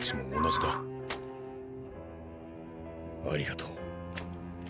ありがとう。